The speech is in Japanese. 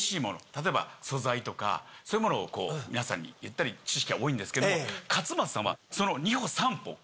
例えば素材とかそういうものを皆さんに言ったり知識は多いんですけど勝俣さんはその。